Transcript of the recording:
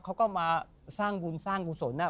เขาก็มาสร้างบุญสร้างกุศล